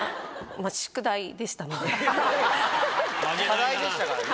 課題でしたからね。